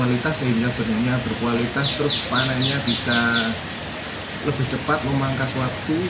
kualitas sehingga benihnya berkualitas terus panennya bisa lebih cepat memangkas waktu